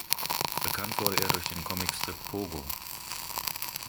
Bekannt wurde er durch den Comicstrip "Pogo".